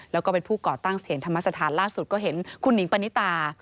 แล้วก็เป็นผู้ก่อตั้งเสถียรธรรมสถานล่าสุดก็เห็นคุณหนิงปณิตา